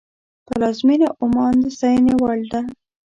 پلازمینه عمان د ستاینې وړ ده.